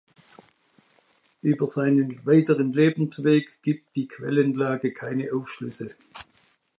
Über seinen weiteren Lebensweg gibt die Quellenlage keine Aufschlüsse.